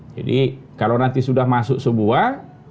jadi kalau nanti sudah masuk sebuah